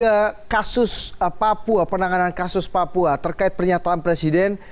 ke kasus papua penanganan kasus papua terkait pernyataan presiden